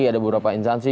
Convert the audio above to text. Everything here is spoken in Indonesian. ada beberapa instansi